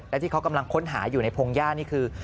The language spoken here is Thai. และที่เขากำลังค้นหาอยู่ในพงหญ้านี่คือ